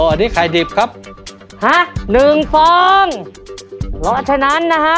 อันนี้ไข่ดิบครับฮะหนึ่งฟองเพราะฉะนั้นนะฮะ